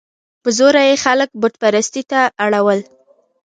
په زوره یې خلک بت پرستۍ ته اړول.